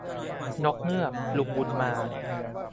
นกเงือก ลุงบุญมา